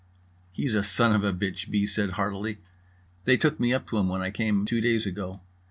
"He's a son of a bitch," B. said heartily. "They took me up to him when I came two days ago.